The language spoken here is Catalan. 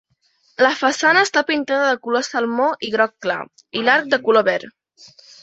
La façana està pintada de color salmó i groc clar, i l'arc de color verd.